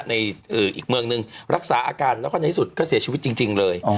อีกเมืองหนึ่งรักษาอาการแล้วก็ในที่สุดก็เสียชีวิตจริงเลย